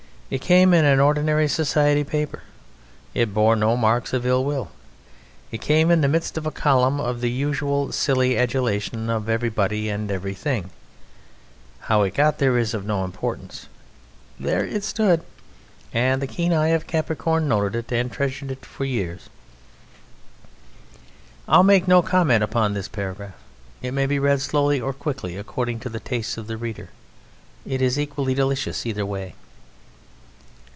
It came in an ordinary society paper. It bore no marks of ill will. It came in the midst of a column of the usual silly adulation of everybody and everything; how it got there is of no importance. There it stood and the keen eye of Capricorn noted it and treasured it for years. I will make no comment upon this paragraph. It may be read slowly or quickly, according to the taste of the reader; it is equally delicious either way.